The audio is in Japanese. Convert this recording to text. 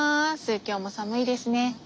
今日も寒いですね。